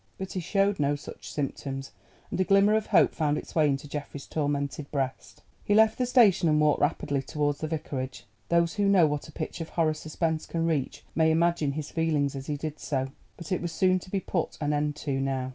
But he showed no such symptoms, and a glimmer of hope found its way into Geoffrey's tormented breast. He left the station and walked rapidly towards the Vicarage. Those who know what a pitch of horror suspense can reach may imagine his feelings as he did so. But it was soon to be put an end to now.